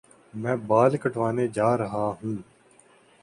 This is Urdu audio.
میں بال کٹوانے جا رہا ہوں